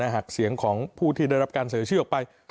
หากเสียงของผู้ที่ได้รับการเสียชื่อออกไป